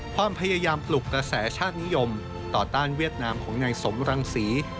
ความพยายามปลุกกระแสชาตินิยมต่อต้านเวียดนามของนายสมรังศรี